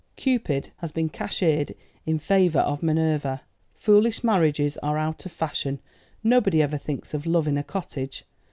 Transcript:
Cupid has been cashiered in favour of Minerva. Foolish marriages are out of fashion. Nobody ever thinks of love in a cottage.